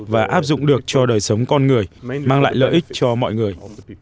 và áp dụng được cho đời sống con người mang lại lợi ích cho mọi người